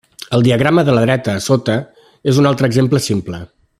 El diagrama de la dreta, a sota, és un altre exemple simple.